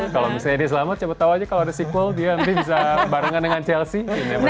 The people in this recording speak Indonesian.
kalau misalnya dia selamat siapa tau aja kalau ada sequel dia nanti bisa barengan dengan chelsea